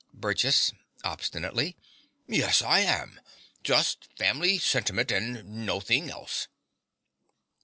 BURGESS (obstinately). Yes, I ham just family sentiment and nothink else.